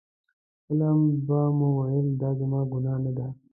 کله به مې ویل دا زما ګناه نه ده.